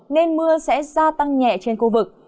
nên mưa sẽ gia tăng nhẹ trên khu vực